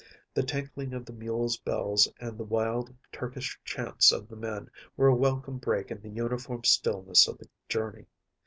The tinkling of the mules’ bells and the wild Turkish chants of the men were a welcome break in the uniform stillness of the journey.